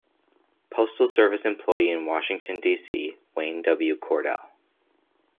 Postal Service employee in Washington D. C., Wayne W. Cordell.